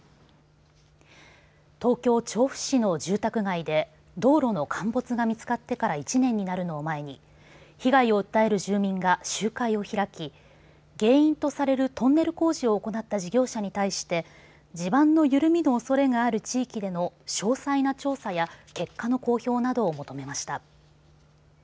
東京・調布市の住宅街で道路の陥没が見つかってから１年になるのを前に被害を訴える住民が集会を開き原因とされるトンネル工事を行った事業者に対して地盤の緩みのおそれがある地域での詳細な調査や結果の公表などを求めました。